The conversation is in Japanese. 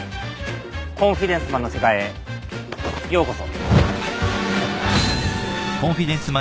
コンフィデンスマンの世界へようこそ。